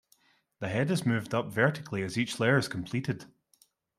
The head is moved up vertically as each layer is completed.